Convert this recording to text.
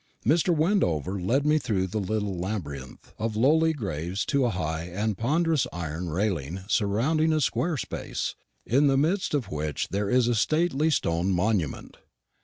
Mr. Wendover led me through a little labyrinth of lowly graves to a high and ponderous iron railing surrounding a square space, in the midst of which there is a stately stone monument.